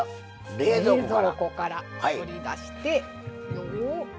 冷蔵庫から取り出して。